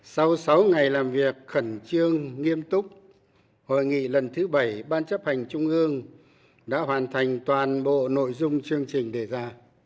sau sáu ngày làm việc khẩn trương nghiêm túc hội nghị lần thứ bảy ban chấp hành trung ương đã hoàn thành toàn bộ nội dung chương trình đề ra